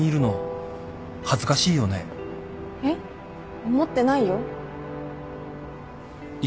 えっ思ってないよ。